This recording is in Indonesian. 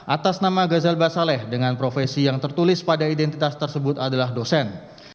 atas nama gazal basaleh dengan profesi yang tertulis pada identitas tersebut adalah dosen